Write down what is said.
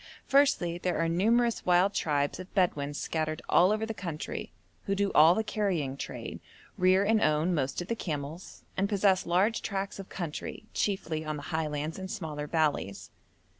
Firstly, there are numerous wild tribes of Bedouin scattered all over the country, who do all the carrying trade, rear and own most of the camels, and possess large tracts of country, chiefly on the highlands and smaller valleys.